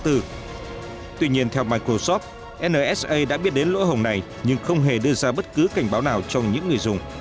tuy nhiên theo microsoft nsa đã biết đến lỗ hồng này nhưng không hề đưa ra bất cứ cảnh báo nào cho những người dùng